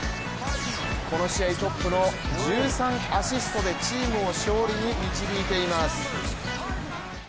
この試合トップの１３アシストでチームを勝利に導いています。